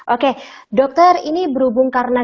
oke dokter ini berhubung karena